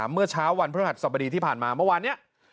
เมื่อเช้าวันพฤหัสสบดีที่ผ่านมาเมื่อวานนี้